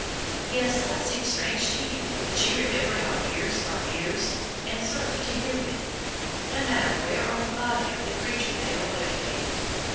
Yes, that seems strange to you, but you remember how ears are ears, and serve to hear with, no matter where on the body of the creature they are located.